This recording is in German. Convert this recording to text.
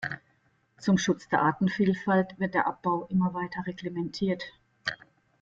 Zum Schutz der Artenvielfalt wird der Abbau immer weiter reglementiert.